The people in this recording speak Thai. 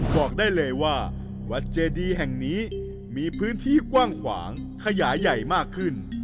บอกได้เลยว่าวัดเจดีแห่งนี้มีพื้นที่กว้างขวางขยายใหญ่มากขึ้น